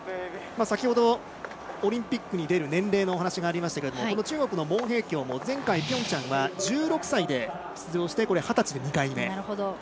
先ほど、オリンピックに出る年齢のお話がありましたが中国の毛秉強も前回ピョンチャンは１６歳で出場して二十歳で２回目。